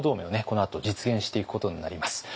このあと実現していくことになります。